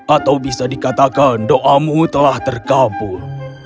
atau bisa dikatakan doamu telah terkampul